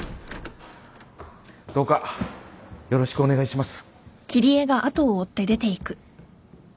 どうかよろしくお願いします。